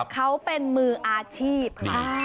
เขาเป็นมืออาชีพค่ะ